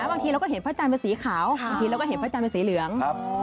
บางทีเราก็เห็นพระจันทร์เป็นสีขาวบางทีเราก็เห็นพระจันทร์เป็นสีเหลือง